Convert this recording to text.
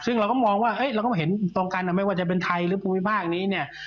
ซึ่งเราก็มองว่าไม่ว่าจะเป็นไทยหรือภูมิภาคนี้เนี่ย